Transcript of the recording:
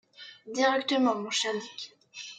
Directement, mon cher Dick.